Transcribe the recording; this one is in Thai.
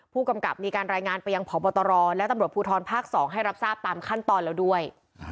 ผู้กำกับมีการรายงานไปยังพบตรและตำรวจภูทรภาค๒ให้รับทราบตามขั้นตอนแล้วด้วย